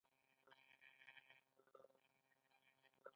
د پیتالوژي علم د ناروغیو تاریخچه ساتي.